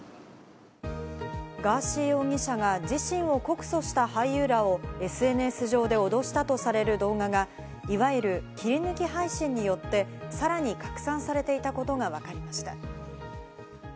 ガーシー容疑者が自身を告訴した俳優らをＳＮＳ上で脅したとされる動画がいわゆる、切り抜き配信によってさらに拡散されていたことがわかりました。